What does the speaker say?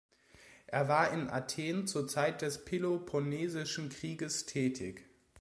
Er war in Athen zur Zeit des Peloponnesischen Kriegs tätig.